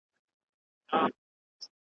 چي د دام پر سر یې غټ ملخ ته پام سو .